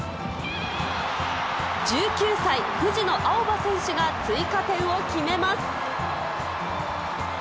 １９歳、藤野あおば選手が追加点を決めます。